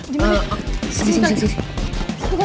jangan sampai dilihat gua sama lu